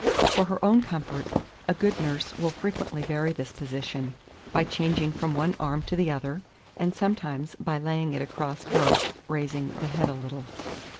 For her own comfort, a good nurse will frequently vary this position, by changing from one arm to the other, and sometimes by laying it across both, raising the head a little.